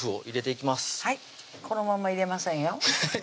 はいこのまんま入れませんよ